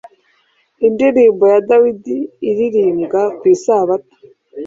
Indirimbo ya Dawidi iririmbwa kwisabato